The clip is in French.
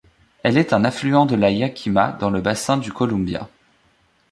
Elle est un affluent de la Yakima dans le bassin du Columbia.